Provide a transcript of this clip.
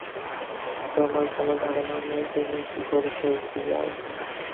তোমার কোনো ধারণাও নেই তুমি কী করছো, রিয়াজ।